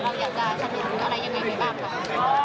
เราอยากจะทำยังไงบ้าง